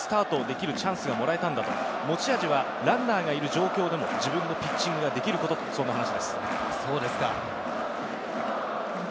砂田なんですが、心機一転、新たにスタートをできるチャンスがもらえたんだ、持ち味はランナーがいる状況でも自分のピッチングができることという、そんな話です。